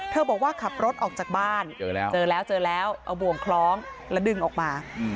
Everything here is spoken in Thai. บอกว่าขับรถออกจากบ้านเจอแล้วเจอแล้วเอาบ่วงคล้องแล้วดึงออกมา